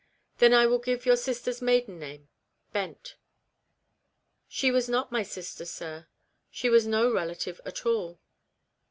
" Then I will give your sister's maiden name Bent." " She was not my sister, sir ; she was no relative at all.